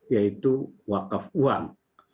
yaitu wakaf uang